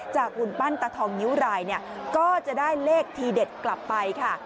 หุ่นปั้นตาทองนิ้วรายเนี่ยก็จะได้เลขทีเด็ดกลับไปค่ะ